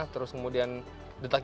terus kemudian detaknya